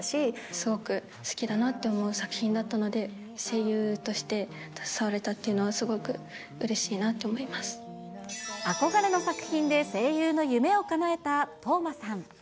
すごく好きだなって思う作品だったので、声優として携われたっていうのは、すごくうれしいな憧れの作品で声優の夢をかなえた當真さん。